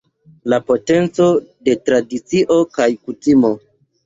La potenco de tradicio kaj kutimo.